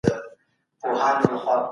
لویان هم منظم خوب غواړي.